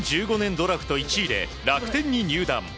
ドラフト１位で楽天に入団。